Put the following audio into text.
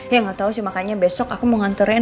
ya gak tau sih makanya besok aku mau nganterin